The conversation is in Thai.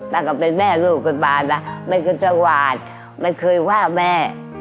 มันก็เป็นแม่ลูกไปบ้างนะมันก็จะหวานมันเคยว่าแม่